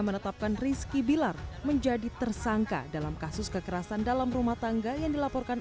menetapkan rizky bilar menjadi tersangka dalam kasus kekerasan dalam rumah tangga yang dilaporkan